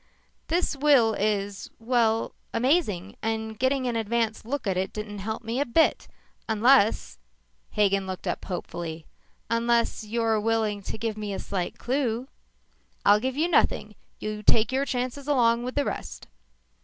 "This will is well, amazing, and getting an advance look didn't help me a bit unless " Hagen looked up hopefully. " unless you're willing to give me a slight clue " "I'll give you nothing. You take your chances along with the rest."